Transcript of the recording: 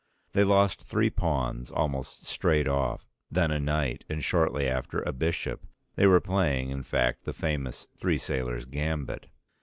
They lost three pawns almost straight off, then a knight, and shortly after a bishop; they were playing in fact the famous Three Sailors' Gambit.